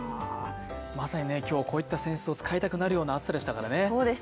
まさに今日こういった扇子を使いたくなるような暑さでしたからね。